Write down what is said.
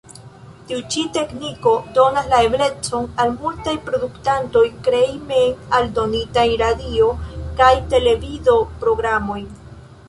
Tiu ĉi tekniko donas la eblecon al multaj produktantoj krei mem-eldonitajn radio- kaj televido-programojn.